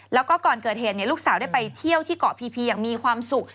แล้วก็ก่อนเกิดเหตุลูกสาวได้ไปเที่ยวที่เกาะพีอย่างมีความสุข